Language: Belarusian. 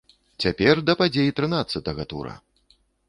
Цяпер да падзей трынаццатага тура!